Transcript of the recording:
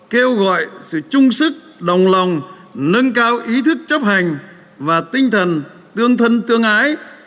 kêu gọi sự chung sức đồng lòng nâng cao ý thức chấp hành và tinh thần tương thân tương ái